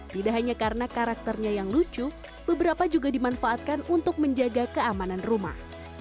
tidak hanya karena karakternya yang lucu beberapa juga dimanfaatkan untuk menjaga keamanan rumah